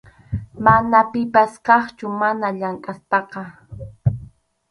Mana pipas kaqchu mana llamk’aspaqa.